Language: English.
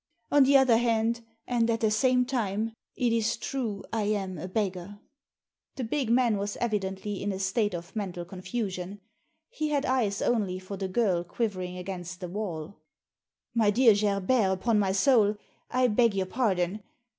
On the other hand, and at the same time, it is true I am a beggar." The big man was evidently in a state of mental Digitized by VjOOQIC THE ASSASSIN 189 confusion. He had eyes only for the girl quivering against the wall. "My dear Gerbert, upon my soul, I beg your pardon.